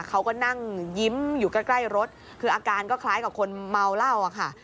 เขาก็นั่งยิ้มอยู่ใกล้รถคืออาการก็คล้ายกับคนเมาเหล้าอะค่ะ